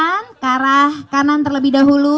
kan ke arah kanan terlebih dahulu